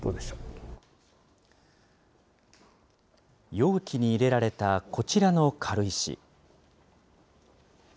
容器に入れられたこちらの軽石。